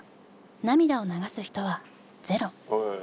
涙を流す人はゼロ。